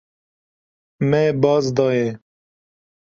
Me baz daye.